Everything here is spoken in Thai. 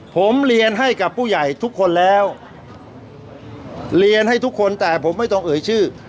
ผมเรียนให้กับผู้ใหญ่ทุกคนแล้วเรียนให้ทุกคนแต่ผมไม่ต้องเอ่ยชื่อ